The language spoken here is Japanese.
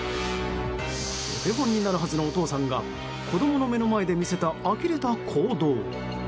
お手本になるはずのお父さんが子供の目の前で見せたあきれた行動。